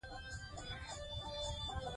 هغه د تېر مهال له دردونو سره لوبېده.